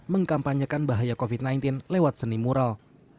mengkampanyekan bahaya covid sembilan belas lewat seni mural